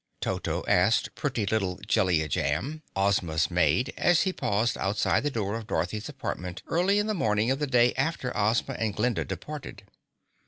Toto asked pretty little Jellia Jamb, Ozma's maid, as he paused outside the door of Dorothy's apartment early in the morning of the day after Ozma and Glinda departed.